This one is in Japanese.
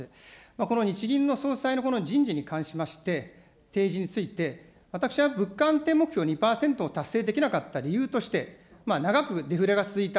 この日銀の総裁の人事に関しまして、提示について、私は物価安定目標２％を達成できなかった理由として、長くデフレが続いた。